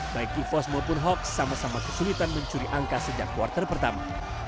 baik evos maupun hawks sama sama kesulitan mencuri angka sejak quarter pertama